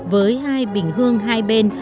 với hai bình hương hai bên